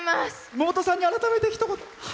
妹さんに改めてひと言。